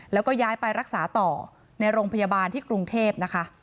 แล้วก็ย้ายไปรักษาต่อในโรงพยาบาลที่กรุงเทพนะคะ